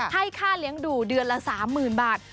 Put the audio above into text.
ให้ค่าเลี้ยงดูเดือนละ๓๐๐๐บาท